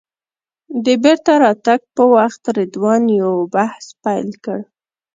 د بېرته راتګ په وخت رضوان یو بحث پیل کړ.